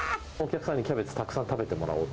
お客さんにキャベツたくさん食べてもらおうと。